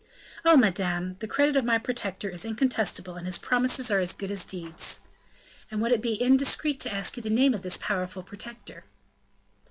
"Oh! madame, the credit of my protector is incontestable and his promises are as good as deeds." "And would it be indiscreet to ask you the name of this powerful protector?"